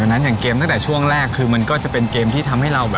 โต๊ะเบี้ยวแล้วครับ